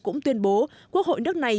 cũng tuyên bố quốc hội nước này